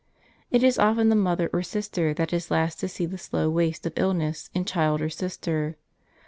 It is often the mother or sister that is last to see the slow waste of illness, in child or sister.